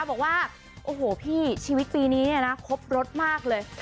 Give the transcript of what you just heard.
บอกว่าโอ้โหพี่ชีวิตปีนี้เนี่ยนะครบรถมากเลย